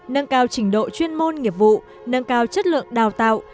nâng cao trình độ chuyên môn nghiệp vụ nâng cao chất lượng đào tạo